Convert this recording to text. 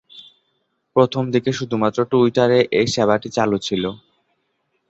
প্রথম দিকে শুধুমাত্র টুইটারে এই সেবাটি চালু ছিল।